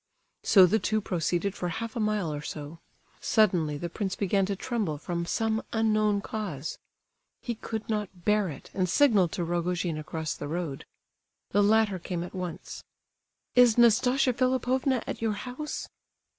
So the two proceeded for half a mile or so. Suddenly the prince began to tremble from some unknown cause. He could not bear it, and signalled to Rogojin across the road. The latter came at once. "Is Nastasia Philipovna at your house?"